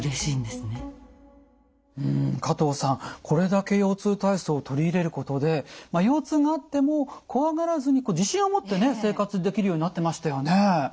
これだけ腰痛体操取り入れることで腰痛があっても怖がらずに自信を持って生活できるようになってましたよね。